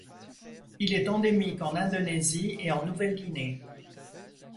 Il est endémique en Indonésie et en Nouvelle-Guinée.